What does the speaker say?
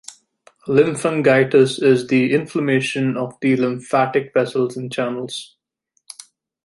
Lymphangitis is the inflammation of the lymphatic vessels and channels.